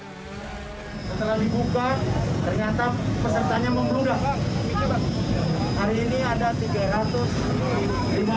setelah dibuka ternyata pesertanya memeludah